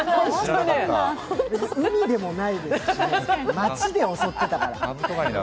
海でもない、街で襲ってたから。